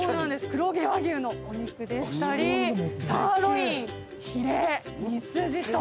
黒毛和牛のお肉でしたりサーロインヒレミスジと。